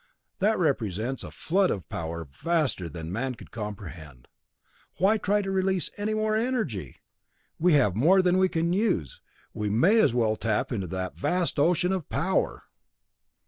That represents a flood of power vaster than man could comprehend. Why try to release any more energy? We have more than we can use; we may as well tap that vast ocean of power.